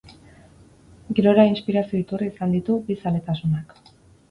Gerora inspirazio iturri izan ditu bi zaletasunak.